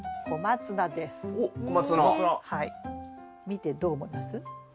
見てどう思います？